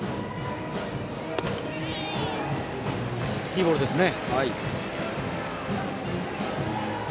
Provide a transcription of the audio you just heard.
いいボールでしたね。